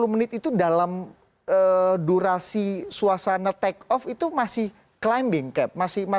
sepuluh menit itu dalam durasi suasana take off itu masih climbing cap